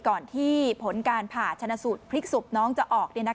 ก่อนที่ผลการผ่าชนะสูตรพลิกศพน้องจะออก